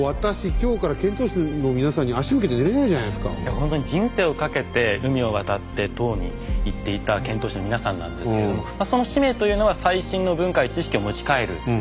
本当に人生をかけて海を渡って唐に行っていた遣唐使の皆さんなんですけれどその使命というのは最新の文化や知識を持ち帰ることでした。